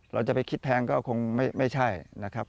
เราจะไปคิดแพงก็คงไม่ใช่นะครับ